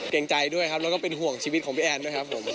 ใจด้วยครับแล้วก็เป็นห่วงชีวิตของพี่แอนด้วยครับผม